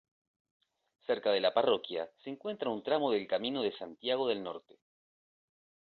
Cerca de la parroquia se encuentra un tramo del Camino de Santiago del Norte